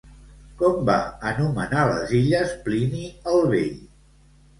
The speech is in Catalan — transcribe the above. Com va anomenar les illes Plini el Vell?